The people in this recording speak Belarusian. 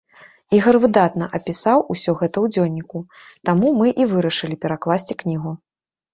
Ігар выдатна апісаў усё гэта ў дзённіку, таму мы і вырашылі перакласці кнігу.